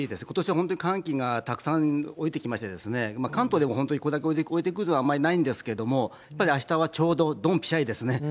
ことしは本当に寒気がたくさん降りてきまして、関東でも本当にこれだけ下りてくるのは、あまりないんですけども、やはりあしたは、ちょうどどんぴしゃりですね。